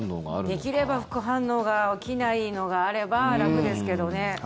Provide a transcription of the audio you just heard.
できれば副反応が起きないのがあれば楽ですけどね。